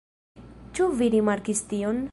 Ĉu vi rimarkis tion?